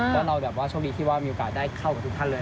แล้วเราแบบว่าโชคดีที่ว่ามีโอกาสได้เข้ากับทุกท่านเลย